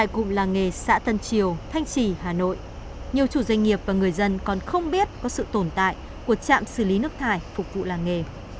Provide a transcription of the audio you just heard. cụm làng nghề xã tân triều thanh trì hà nội nhiều chủ doanh nghiệp và người dân còn không biết có sự tồn tại của trạm xử lý nước thải phục vụ làng nghề